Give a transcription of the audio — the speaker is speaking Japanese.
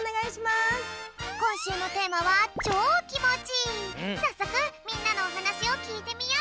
こんしゅうのテーマはさっそくみんなのおはなしをきいてみよう！